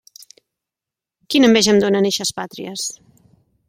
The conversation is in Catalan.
Quina enveja em donen eixes pàtries!